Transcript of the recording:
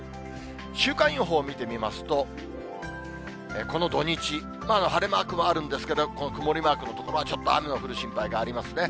週間予報見てみますと、この土日、まだ晴れマークはあるんですけど、曇りマークの所はちょっと雨の降る心配がありますね。